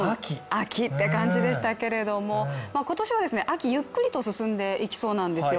秋って感じでしたけれども今年は秋、ゆっくりと進んでいきそうなんですよ。